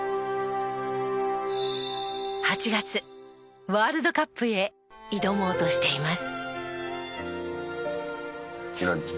８月ワールドカップへ挑もうとしています。